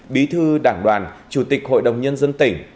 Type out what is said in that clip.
bí thư đảng đoàn chủ tịch hội đồng nhân dân tỉnh